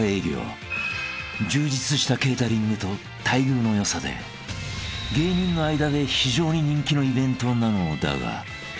［充実したケータリングと待遇の良さで芸人の間で非常に人気のイベントなのだが］